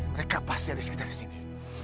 mereka pasti ada sekitar disini